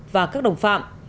và các đồng phạm